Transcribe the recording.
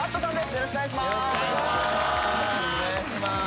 よろしくお願いします